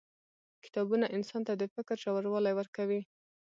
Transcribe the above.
• کتابونه انسان ته د فکر ژوروالی ورکوي.